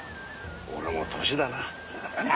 俺も年だな。